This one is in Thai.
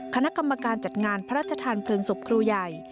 คณะกรรมการจัดงานพระราชทานเพลิงศพครูใหญ่